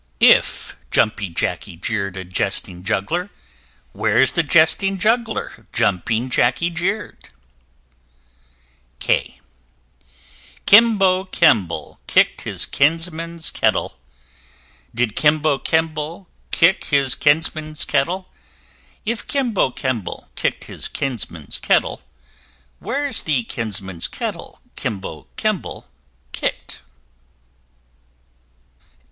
If Jumping Jackey jeer'd a Jesting Juggler, Where's the Jesting Juggler Jumping Jackey jeer'd? K k [Illustration: Kimbo Kemble] Kimbo Kemble kicked his Kinsman's Kettle: Did Kimbo Kemble kick his Kinsman's Kettle? If Kimbo Kemble kick'd his Kinsman's Kettle, Where's the Kinsman's Kettle Kimbo Kemble kick'd?